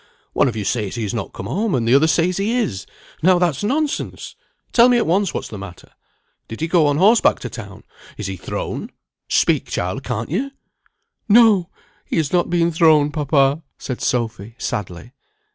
"One of you says he is not come home, and the other says he is. Now that's nonsense! Tell me at once what's the matter. Did he go on horseback to town? Is he thrown? Speak, child, can't you?" "No! he's not been thrown, papa," said Sophy, sadly.